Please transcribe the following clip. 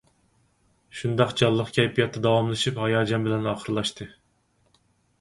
شۇنداق جانلىق كەيپىياتتا داۋاملىشىپ، ھاياجان بىلەن ئاخىرلاشتى.